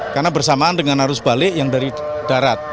karena bersamaan dengan harus balik yang dari darat